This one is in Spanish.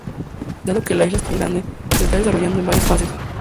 Dado que la isla es tan grande, se está desarrollando en varias fases.